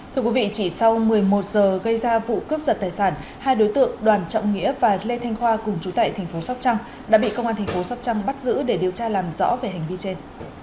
thưa quý vị chỉ sau một mươi một h gây ra vụ cướp giật tài sản hai đối tượng đoàn trọng nghĩa và lê thanh khoa cùng chú tại tp sốc trăng đã bị công an tp sốc trăng bắt giữ để điều tra làm rõ về hành vi trên